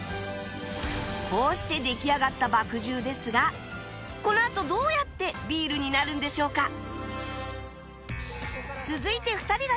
こうして出来上がった麦汁ですがこのあとどうやってビールになるんでしょうか？